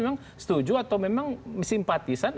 memang setuju atau memang simpatisan